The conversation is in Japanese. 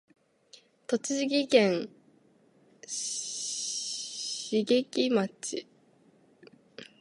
栃木県茂木町